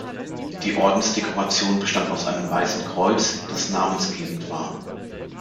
Die Ordensdekoration bestand aus einem weißen Kreuz, das namensgebend war.